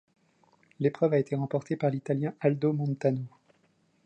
L'épreuve a été remportée par l'Italien Aldo Montano.